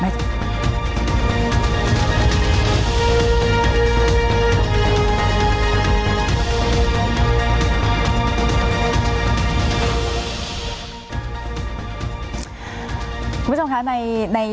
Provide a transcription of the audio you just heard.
คุณผู้ชมคะในส่วนของคุณครับ